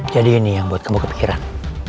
jadi ini yang buat kamu kepikiran